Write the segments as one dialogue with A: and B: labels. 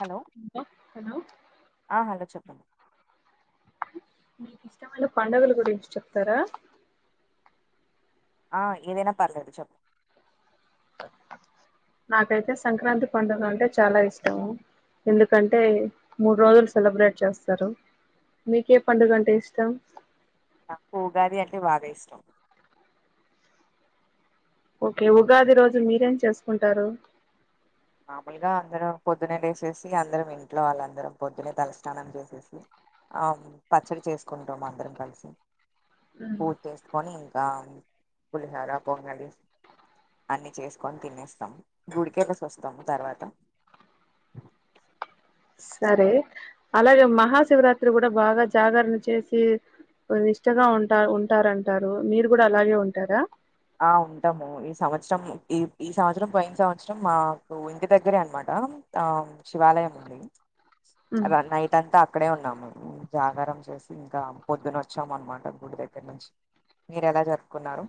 A: Hello hello చెప్పండి
B: మీకు ఇష్టమైన పండుగల గురించి చెప్తారా
A: ఆ ఏదైనా పర్లేదు చెప్ప
B: నాకైతే సంక్రాంతి పండుగ అంటే చాలా ఇష్టము ఎందుకంటే మూడు రోజులు సెలబ్రేట్ చేస్తారు మీకే పండుగ అంటే ఇష్టం
A: నాకు ఉగాది అంటే బాగా ఇష్టం
B: ఓకే ఉగాది రోజు మీరేం చేసుకుంటారు
A: మామూలుగా అందరం పొద్దునే లేేసేసి అందరం ఇంట్లో వాళ్ళ అందరం పొద్దునే తలస్నానం చేసేసి ఆ పచ్చడి చేసుకుంటాం అందరం కలిసి
B: ఉమ్,
A: పూజ చేసుకొని పులిహారా పొంగలి అన్ని చేసుకొని తినేస్తాం గుడికే వస్తాము తర్వాత
B: సరే అలాగే మహాశివరాత్రి కూడా బాగా జాగారం చేసి కొ ఇష్టగా ఉంటా ఉంటారంటారు మీరు కూడా అలాగే ఉంటారా
A: ఆ ఉంటాము ఈ సంవత్సరం ఈ ఈ సంవత్సరం పోయిన సంవత్సరం మాకు ఇంటి దగ్గరే అనమాట ఆ శివాలయం ఉంది
B: ఉమ్.
A: నైట్ అంతా అక్కడే ఉన్నాం జాగారం చేసి ఇంకా పొద్దున వచ్చాం అనమాట గుడి దగ్గర నుంచి మీరు ఎలా జరుపుకున్నారు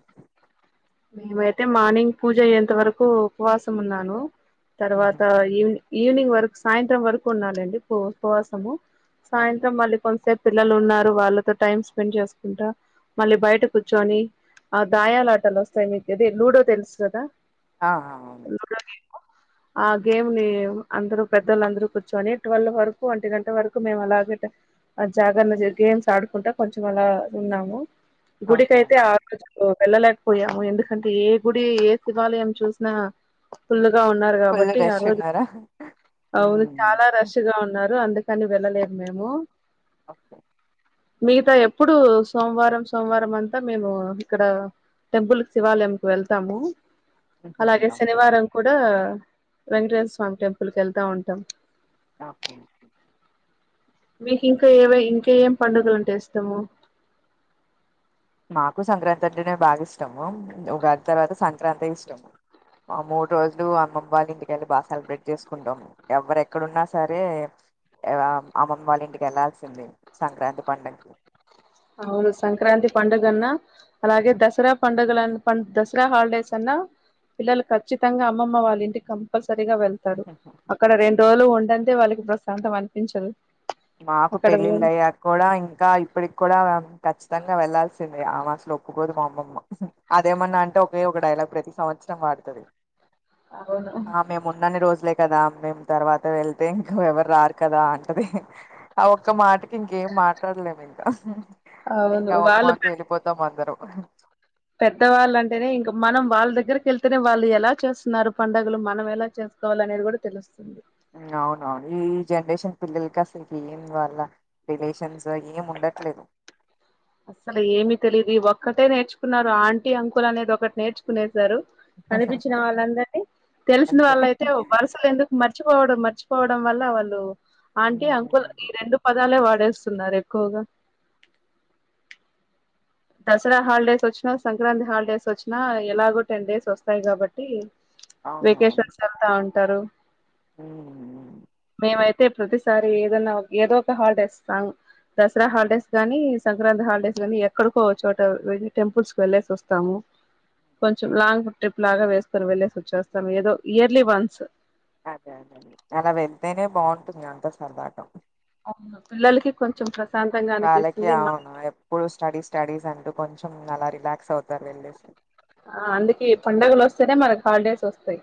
B: మేమైతే మార్నింగ్ పూజ అయ్యేంత వరకు ఉపవాసం ఉన్నాను తర్వాత
A: ఉహుహు.
B: ఈవని ఈవినింగ్ వరకు సాయంత్రం వరకు ఉండాలండి ఉపవాసము
A: ఓకే
B: సాయంత్రం మళ్ళీ కొన్ని సేపు పిల్లలు ఉన్నారు వాళ్ళతో టైం స్పెండ్ చేసుకుంటా మళ్ళీ బయట కూర్చొని ఆ దాయాల ఆటాలు వస్తాయి మీకు అది లూడో తెలుసు కదా
A: ఆహా అవును
B: లూడో ఆ గేమ్ ని అందరు పెద్దళ్ళందరు కూర్చొని ట్వెల్ వరకు ఒంటి గంట వరకు మేము అలాగ జాగణ గేమ్స్ ఆడుకుంటా కొంచెం అలా ఉన్నాము
A: ఓకే
B: గుడికైతే
A: ఓకే
B: ఆ రోజు వెళ్ళలేకపోయా ఎందుకంటే ఏ గుడి ఏ శివాలయం చూసిన ఫుల్లు గ
A: ఫుల్
B: కాబట్టి
A: రష్
B: ఆజు
A: ఉన్నారా
B: అవును
A: మ్మ్.
B: చాలా రష్ గా ఉన్నారు అందు కని వెళ్ళలేదు మేము
A: ఒకే
B: మిగతా ఎప్పుడు సోమవారం సోమవారం అంతా మేము ఇక్కడ టెంపుల్ శివాలయంకి వెళ్తాము
A: ఉహుహు.
B: అలాగే
A: ఓకే
B: శనివారం కూడా వెంకటేశ్వర స్వామి టెంపుల్ కి వెళ్తా ఉంటాం
A: ఒకే
B: మీకు ఇంకా ఏవ ఇంకా ఏమేం పండుగలు అంటే ఇష్టము
A: నాకు సంక్రాంతి అంటేనే బాగా ఇష్టము ఉగాది తర్వాత సంక్రాంతి ఇష్టము ఆ మూడు రోజులు అమ్మమ వాళ్ళ ఇంటికెళ్ళి బాగా సెలబ్రేట్ చేసుకుంటాం ఎవరెక్కడున్నా సరే అమ్మమ్మ వాళ్ళ ఇంటికి వెళ్లాల్సిందే సంక్రాంతి పండుగకి
B: అవును సంక్రాంతి పండుగన్నా అలాగే దసరా పండుగ పం దసరా హాలిడేస్ అన్నా పిల్లలు ఖచ్చితంగా అమ్మమా వాళ్ళ ఇంటికి కంపల్సర సరిగా వెళ్తారు అక్కడ రెండు రోజులు ఉందండే వాళ్ళకి ప్రశాంతంగా అనిపించదు
A: మాకు
B: అక్కడ ఉన్
A: పెళ్ళిళ్ళయ్యాక కూడా ఇంకా ఇప్పుడు కూడా ఖచ్చితంగా వెళ్లాల్సింది ఆ మాసలు ఒప్పుకోదు మా అమ్మమ్మ అదేమన్నా అంటే ఒకే ఒక డై లాగ్ ప్రతి సంవత్సరం వడుతుంది మేం ఉన్నని రోజు లే కదా మేము తర్వాత వెళ్తే ఇంక ఎవరు రారు కదా అంటది ఆ ఒక్క మాటకి ఇంకేం మాట్లాడలేము ఇంకా
B: అవును
A: ఇంకా ఒక మాటకీ వెళ్ళిపోతాం అందరం
B: పెద్దవాళ్ళ అంటేనే ఇంకా మనం వాళ్ళ దగ్గరకి వెళ్తేనే వాళ్ళు ఎలా చేస్తున్నారు పండుగలు మనం ఎలా చేస్తు కోవాలనేది కూడా తెలుస్తుంది
A: అవునవును ఈ జనరేషన్ పిల్లలకి అసలు ఏం వాళ్ళ రిలేషన్స్ ఏం ఉండ ట్లేదు
B: [inaudible] అస్సలు ఏమి తెలిదు ఒక్కటే నేర్చుకున్నారు ఆంటీ అంకుల్ అనేది ఒకటి నేర్చుకునేసారు కనిపించిన వాళ్ళందరినీ తెలిసిన
A: అంతే
B: వాళ్ళయితే వరుసలు ఎందుకు మర్చిపోవడం మర్చిపో పోవడం వల్ల వాళ్ళు ఆంటీ
A: ఉమ్,
B: అంకుల్ ఈ రెండు పదాలే వాడేస్త తున్నారు ఎక్కువగా దసరా హాలిడేస్ వచ్చినా సంక్రాంతి హాలిడేస్ వచ్చినా ఎలాగో టెన్ డేస్ వస్తాయి కాబట్టి వెకేషన్స్ వెళ్తా ఉంటారు
A: హూ హు
B: మేమైతే ప్రతిసారి ఏదన్నా ఏదో ఒక హాలిడే ఇస్తాం దసరా హాలిడేస్ గానీ సంక్రాంతి హాలిడేస్ కానీ ఏక్కడికో చోట టెంపుల్స్ కి వెళ్లేేసి వస్తాము కొంచెం లాంగ్ ట్రిప్ లాగా వేస్తాని వెళ్లేేసి వచ్చేస్తాం ఏదో ఇయర్లీ వన్స్
A: అదే అదే అ అలా వెళ్తేనే బాగుంటుంది అంత సరదాగా
B: పిల్లలకి కొంచెం ద
A: వాళ్ళకి అవును ఎప్పుడు స్టడీస్ స్టడీస్ అంటూ కొంచెం అలా రిలాక్స్ అవుతారు వెళ్ళేసి
B: ఆ అందుకనే పండుగలు వస్తేనే మనకి హాలిడేస్ వస్తాయి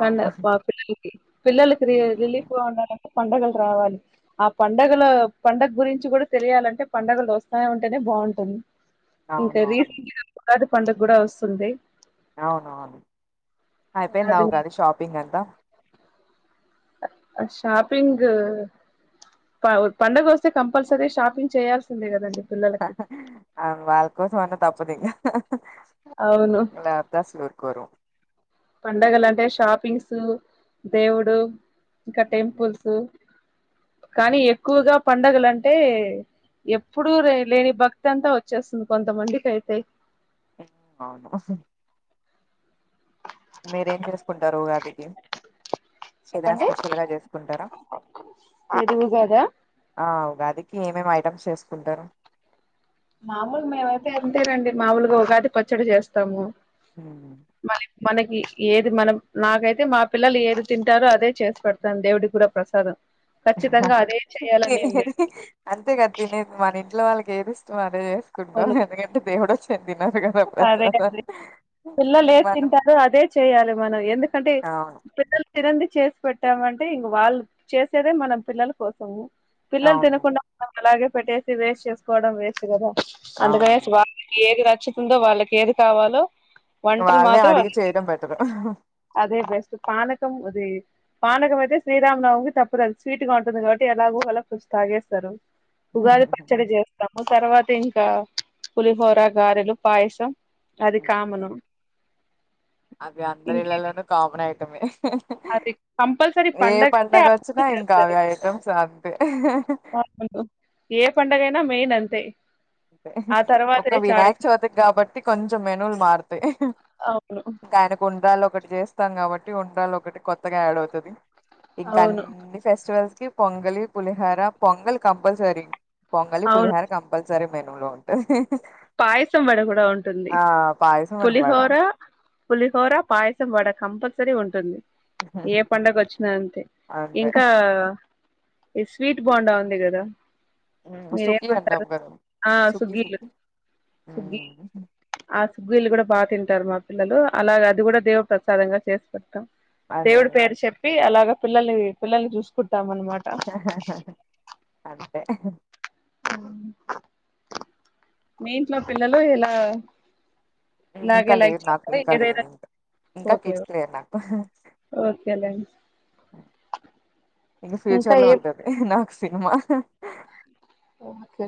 B: క
A: అవును
B: పా పిల్లలకి పిల్లలకి ర
A: హ్మ్. హ్మ్.
B: రిలీఫ్ ఉంటది పండగలు రావాలి ఆ పండగల పండగ గురించి కూడా తెలియాలంటే పండగలు వస్తా ఉంటేనే బాగుంటుంది ఇంకా
A: అవునవును
B: రీసెంట్ గా ఉగాది పండుగ కూడా వస్తుంది
A: అవునవును అయిపోయింద ఉగాది షాపింగ్ అంతా
B: ఆ షాపింగు ఆ పండగ వస్తే కంపల్సరీ షాపింగ్ చేయాల్సిందే కదండి పిల్లలకి
A: అ వాళ్ళ కోసం అన్న తప్పుదు ఇగ
B: అవును
A: వాపస్ పెట్టుకొరు
B: పండగలు అంటే షాపింగ్స్ దేవుడు ఇంకా
A: హ్మ్.
B: టెంపుల్స్ కానీ ఎక్కువగా పండగలు అంటే ఎప్పుడు లేని భక్తి అంతా వచ్చేస్తుంది కొంతమందికి అయితే
A: అవును మీరేం చేసుకుంటారు ఉగాదికి ఏదైనా స్పెషల్గా చేసుకుంటారా
B: అది ఉగాద
A: ఆ ఉగాదికి ఏమేమి ఐటమ్స్ చేసుకుంటారు
B: మామూలు మేమైతే అంతేనండి మామూలుగా ఉగాది పచ్చడి చేస్తాము
A: ఉన
B: మరి మనకి ఏది మనం నాకైతే మా పిల్లలు ఏది తింటారో అదే చేసి పెడతాను దేవుడి కూడా ప్రసాదం ఖచ్చితంగా అదే చేయాలని ఏం లేదు
A: తినేది అంతే కదా తినేది మన ఇంట్లో వాళ్ళకి ఏది ఇష్టం అదే చే కుంటాం
B: అవును
A: ఎందుకంటే దేవుడు వచ్చి తినడు కదా
B: అదే
A: ప్రసాదాం
B: అదే పిల్లలు ఏది
A: మనం
B: తింటారో అదే చేయాలి మనం ఎందుకంటే
A: అవును
B: పెద్దొల్ తినాన్ ది చేసి పెట్టామ అంటే ఇంక వాళ్ళు చేసేదే మనం పిల్లల కోసము పిల్లలు
A: అవును
B: తినకుండా అలాగే పెట్టేసి వేస్ట్ చేసుకోవడం వేస్ట్ కదా అందుకనేసి
A: అవును
B: వాళ్ళకి ఏది నచ్చుతుందో వాళ్ళకి ఏది కావాలో వంటల్
A: వాళ్ళే
B: మాత్రం అ
A: అడిగి చేయడం బెటరు
B: అదే బెస్ట్ పనకం అది పానకం అయితే శ్రీరామనవకి తప్పుదు అది స్వీట్ గా ఉంటుంది కాబట్టి ఎలాగో అలా తాగేస్తారు ఉగాది పచ్చడి చేస్తాము తర్వాత ఇం ఇంకా పులిహోర, గారెలు, పాయసం అది కామను
A: అది అందరి
B: ఇంక
A: ఇళ్లలోనూ కామన్ ఐటం మే
B: అది కంపల్సరీ
A: ఏ
B: పండగంటే
A: పండగ
B: ఆ
A: వచ్చినా
B: ముగ్గులు
A: ఇంకా
B: చేస్తారు.
A: అవి ఐటమ్స్ అంతే
B: ఏ పండుగైనా మెయిన్ అంతే
A: అంటే
B: ఆ
A: ఒక
B: తర్వాతే
A: వినాయక
B: చాయిస్
A: చవితికి కాబట్టి కొంచెం మెనులు మారుతాయి
B: అవును
A: ఇంకా అయిన కి ఉండ్రాళ్ళు ఒకటి చేస్తాం కాబట్టి ఉండ్రాళ్ళు ఒకటి కొత్తగా యాడ్ అవుతాది ఇంకా
B: అవును
A: అన్ని ఫెస్టివల్స్ కి పొంగలి, పులిహొర పొంగల్ కంపల్సరి పొంగలి
B: అవును
A: పులిహొర కంపల్సరి [unintelligible] మేను లో ఉంటే
B: పాయసం వడ కూడా ఉంటుంది
A: పాయసం అండ్ వడ
B: పులిహోర పులిహోర పాయసం వాడ కంపల్సరీ ఉంటుంది ఏ పండగ వచ్చిన అంతే
A: అంతే
B: ఇంకా ఈ స్వీట్ బొండా వుంది కదా
A: ఉమ్, సుఖీ అంటాం
B: మీరేమంటారు
A: కదా
B: ఆ
A: సుఖీ
B: సుగ్గిలు
A: సుఖీ
B: సుగ్గి
A: ఉమ్,
B: ఆ సుగ్గిలు కూడా బాగ తిం తింటారు మా పిల్లలు అలాగే అది కూడా దేవుడు ప్రసాదంగా చేసి పెడతాం
A: అదే
B: దేవుడి
A: అదే
B: పేరు చెప్పి అలా పిల్లల్ని పిల్లల్ని చూసుకుంటాం మనం
A: అంతే
B: మ్మ్ మీ ఇంట్లో పిల్లలు ఎలా
A: ఇంకా లేరు నాకు ఇంకా లేరు ఇంకా ఇంకా
B: ఓకే
A: కిడ్స్ లేరు నాకు
B: ఓకేలేండి
A: ఇంక
B: ఇంకా
A: ఫ్యూచర్ లో
B: ఏ
A: ఉంటాది నాకు సినిమా
B: ఓకే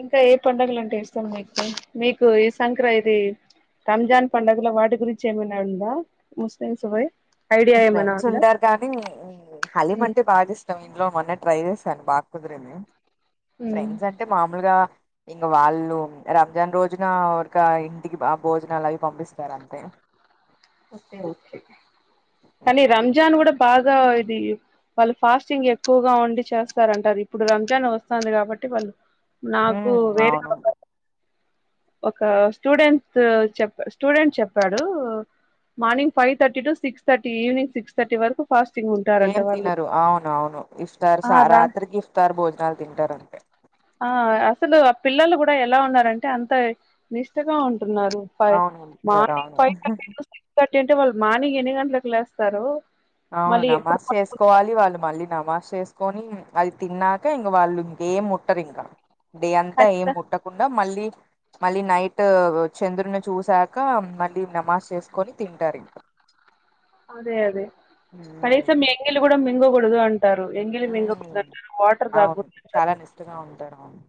B: ఇంకా ఏ పండుగలు అంటే ఇష్టం మీకు. రంజాన్ పండగల వాటి గురించి ఏమన్న ఉందా ముస్లిమ్స్ పోయ్
A: ఫ్రెండ్స్ ఉంటారు కానీ హలీం అంటే బాగా ఇష్టాం ఇంట్లో మొన్న ట్రై చేస కాని బాగా కుదిరింది ఫ్రెండ్స్ అంటే మామూలుగా ఇంగా వాళ్ళు రంజాన్ రోజున ఉరక ఇంటికి భోజనాలు అవి పంపిస్తారు అంతే
B: కానీ రంజాన్ కూడా బాగా ఇది వాళ్ళు ఫాస్టింగ్ ఎక్కువగా ఉండి చేస్తారంటారు ఇప్పుడు రంజాన్ వస్తుంది కాబట్టి వాళ్ళు నాకు
A: మ్మ్
B: వేరేవ
A: అవును
B: ఒక స్టూడెంట్ చెప్ప స్టూడెంట్ చెప్పాడు మార్నింగ్ ఫైవ్ర్టీ టు స సిక్స్థర్టీ ఈవినింగ్ సిక్స్థర్టీ వరకు ఫాస్టింగ్ ఉంటారంట
A: ఏం
B: వాళ్ళు
A: తినరు అవును అవును ఇఫ్తారు
B: ఆ
A: సా
B: రా
A: రాత్రికి ఇఫ్తారు భోజనాలు తింటారు అంతే
B: ఆ అసలు ఆ పిల్లలు కూడా ఎలా ఉన్నారంటే అంత నిష్టగా ఉంట న్నారు ఫై
A: అవును తింటారు
B: మార్నింగ్
A: అవును
B: five thirty to six thirty ఏంటంటే వాళ్ళు మార్నింగ్ ఎన్ని గంటలకు లేస్తారు
A: అవును
B: మళ్ళీ ఎప్పుడు
A: నమాజ్
B: పడుకుంటారు
A: చేసుకోవాలి వాళ్ళు మళ్ళీ నమాజ్ చేసుకొని అది తిన్నాక ఇంక వాళ్ళు ఇంకేం ముట్టరు ఇంకా డే అంతా ఏం ముట్టకుండా మళ్ళీ మళ్ళీ నైట్ చంద్రుని చూసాక మళ్ళీ నమాజ్ చేసుకొని తింటారు ఇ
B: అదే అదే కనీసం ఎంగిలి కూడదు మింగగుడదు అంటారు ఎంగిలి
A: మ్మ్
B: మింగకూడదు అంటారు వాటర్
A: అవును
B: తాగకూడదంటారు.
A: చాలా నిష్టగా ఉంటారు అవును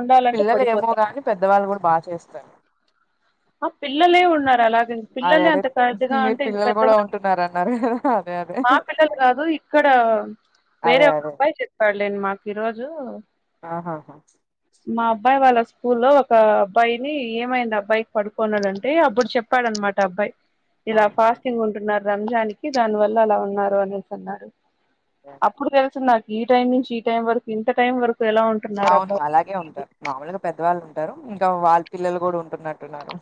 B: ఉండాలంటే
A: పిల్లలు ఏమో
B: పడిపోతాం
A: కాగాని పెద్దవాళ్ళు కూడా బాగా చేస్తారు
B: ఆ పిలల్లే ఉన్నారూ అలాగే
A: అదే
B: పిల్లలే
A: అదే
B: అంత కరెక్ట్ గా
A: మీరు
B: ఉంటే ఇంకా
A: పిల్లలు
B: పెద్ద
A: కూడా
B: వాళ్లు
A: ఉంటున్నారు అన్నారు కదా అదే అదే
B: మా పిల్లలు కాదు. ఇక్కడ వేరే
A: అదే
B: ఒక
A: అదే
B: అబ్బాయి చెప్పాడులేను మాకు ఈ రోజు
A: ఆహహా
B: మా అబ్బాయి వాళ్ళ స్కూల్లో ఒక అబ్బాయిని ఏమైంది అబ్బాయికి పడుకోన్నాడంటే అప్పుడు చెప్పాడన్నమాట అబ్బాయి ఇలా
A: ఓకే ఓకే
B: ఫాస్టింగ్ ఉంటున్నారు రంజాన్నికి దాని వల్ల అలా ఉన్నారు అనేసి అన్నారు
A: యాహ్!
B: అప్పుడు తెలుసు నాకు ఈ టైం నుంచి ఈ టైం వరకు ఇంత టైం వరకు ఎలా ఉంటున్నారు
A: అవును
B: అబ్బా
A: అలాగే ఉంటారు మాముూలుగా పెద్దవాళ్ళు ఉంటారు ఇంకా వాళ్ళ పిల్లలు కూడా ఉంటున్నట్టున్నారు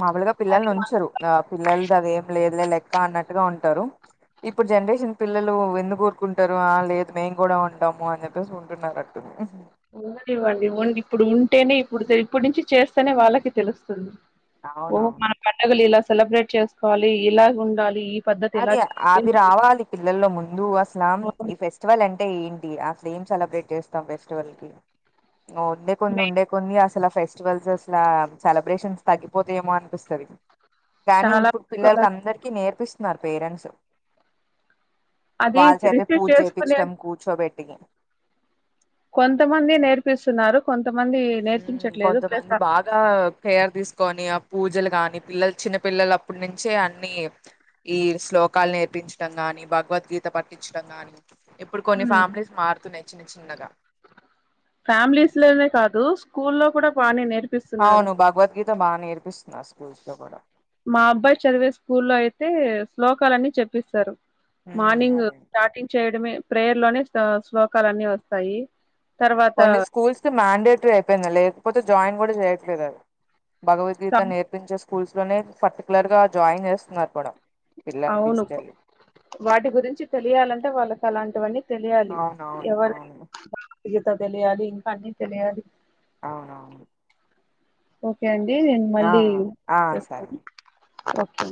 A: మాములుగా పిల్లల్ని
B: అది
A: ఉంచరు పిల్లలు అది ఏం లేదులే కా అన్నట్టుగా ఉంటారు ఇప్పుడు జనరేషన్ పిల్లలు ఎందు కోరుకుంటారు ఆ లేదు మేం కూడా కమ్
B: ఓన్ ఇవ్వండి ఓన్ ఇప్పుడు ఉంటే ఇప్పుడు ఇప్పటి నుంచి చేస్తేనే వాళ్ళకి తెలుస్తుంది ఓహో
A: అవునవును
B: మన పండగలు ఇలా సెలబ్రేట్ చేసుకోవాలి ఇలా ఉండాలి పద్ధతి ఇలా
A: అది
B: చేయాలి
A: అవి రావాలి పిల్లల్లో ముందు అస్లం
B: అవును.
A: ఈ ఫెస్టివల్ ఎంట అంటే ఏంటి అసలు ఏం సెలబ్రేట్ చేస్తాం ఫెస్టివల్ కి ఉండే కొన్ని
B: నేను
A: ఉండే కొన్ని అసలు ఫెస్టివల్స్ అసలా సెలబ్రేషన్స్ తగ్గిపోతే ఏమో అనిపిస్తుంది కానీ
B: చాలా
A: ఇప్పుడు
B: వరకు
A: పిల్లలకి
B: అలాగే
A: అందరికి నేర్పిస్త పేరెంట్స్
B: అది
A: వాళ్ళ చేతే
B: రిసీవ్
A: పూజ
B: చేసుకునే
A: చేపించడం కూర్చోబెట్టి
B: కొంతమంది నేర్పిస్తున్నారు కొంత
A: కొంతమంది బాగా కేర్ తీసుకొని ఆ పూజలు కాని పిల్లలు చిన్న పిల్లల అప్పటి నుంచే అన్ని ఈ శ్లోకాలు నేర్పించడం గాని భగవద్గీత అంత పట్టించడం గాని ఇప్పుడు కొన్ని
B: హ్మ్.
A: ఫ్యామిలీస్ మారుతున్నాయి చిన్న చిన్నగా
B: ఫ్యామిలీస్ లోనే కాదు స్కూల్ లో కూడా బానే నేర్పి
A: అవును భగవద్గీత బాగా నేర్పిస్తున్నారూ స్కూల్స్ లో కూడా
B: మా అబ్బాయి చదివే స్కూల్లో అయితే శ్లోకాలన్నీ చెప్పిస్తారు.
A: ఉమ్
B: మార్నింగ్
A: అదే అండి.
B: స్టార్టింగ్ చేయడమే ప్రేయర్ లోనే శ్లోకాలన్ని వస్తాయి తర్వాత
A: కొన్ని స్కూల్స్ లో మండేటరీ అయిపోయింది లేకపోతే జాయిన్ కూడా చేయట్లేదు అది భగవద్గీత నేర్పించే స్కూల్స్ లోనే పర్టికులర్ గా జాయిన్ చేస్తున్నారు కూడా పిల్లలని
B: అవును
A: తీసుకెళ్లి
B: వాటి గురించి తెలియాలంటే వాళ్ళకి అలాంటివన్నీ తెలియాలి
A: అవునవును అవును
B: ఎవరైనా ఈత తెలియాలి ఇంకా అన్నీ తెలియాలి
A: అవునవును
B: ఓకే అండి నేను
A: ఆ
B: మళ్ళీ
A: ఆ సరే
B: చేస్తాను ఓకే